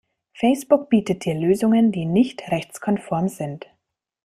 Facebook bietet dir Lösungen die nicht rechtskonform sind.